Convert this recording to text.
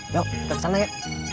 yuk kita kesana ya